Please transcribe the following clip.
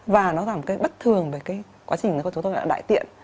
và nó làm cái bất thường về cái quá trình của chúng ta là đại tiện